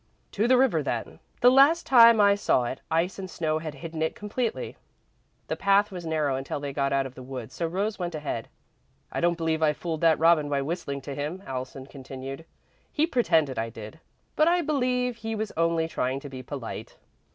"To the river, then. The last time I saw it, ice and snow had hidden it completely." The path was narrow until they got out of the woods, so Rose went ahead. "I don't believe I fooled that robin by whistling to him," Allison continued. "He pretended I did, but I believe he was only trying to be polite."